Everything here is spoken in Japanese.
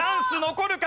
残るか？